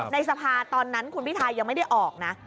ในสภาตอนนั้นคุณพิทายังไม่ได้ออกนะ